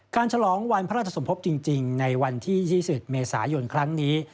ฉลองวันพระราชสมภพจริงในวันที่๒๑เมษายนครั้งนี้